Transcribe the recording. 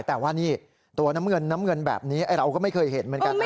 แต่ว่านี่ตัวน้ำเงินน้ำเงินแบบนี้เราก็ไม่เคยเห็นเหมือนกันนะ